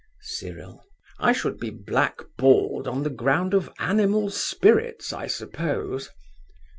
CYRIL. I should be black balled on the ground of animal spirits, I suppose?